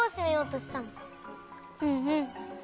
うんうん。